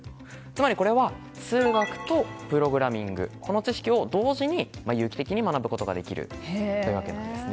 つまり、これは数学とプログラミングこの知識を同時に有機的に学ぶことができるというわけです。